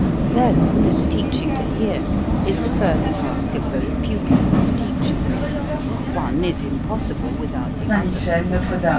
Learning and teaching to hear is the first task of both pupil and teacher. One is impos sible without the other.